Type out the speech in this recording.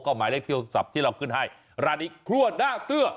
หมายเลขโทรศัพท์ที่เราขึ้นให้ร้านนี้ครัวหน้าเกื้อ